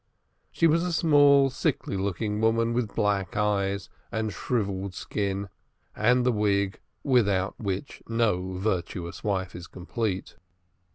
She was a small sickly looking woman, with black eyes, and shrivelled skin, and the wig without which no virtuous wife is complete.